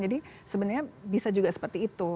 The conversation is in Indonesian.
jadi sebenarnya bisa juga seperti itu